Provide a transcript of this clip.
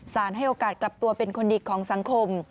ให้โอกาสกลับตัวเป็นคนดีของสังคม